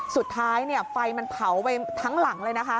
สุดท้ายไฟมันเผาไปทั้งหลังเลยนะคะ